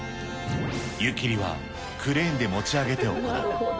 湯切りはクレーンで持ち上げて行う。